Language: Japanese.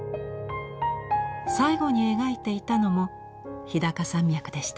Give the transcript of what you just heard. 最後に描いていたのも日高山脈でした。